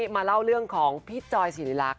มาเล่าเรื่องของพี่จอยสิริรักษ